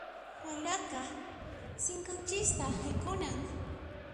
Wayraqa sinqanchista haykunan.